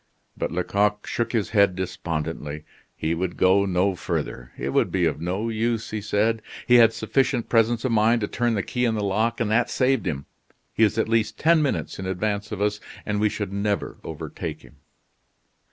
But Lecoq shook his head despondently. He would go no further. "It would be of no use," he said. "He had sufficient presence of mind to turn the key in the lock, and that saved him. He is at least ten minutes in advance of us, and we should never overtake him."